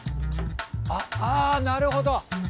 あなるほど！